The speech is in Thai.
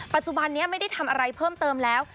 ปัจจุบันนี้ไม่ได้ทำอะไรเพิ่มเติมแล้ว